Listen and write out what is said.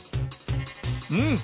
うん！